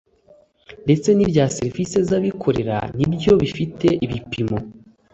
ndetse n ibya serivisi z’ abikorera nibyo bifite ibipimo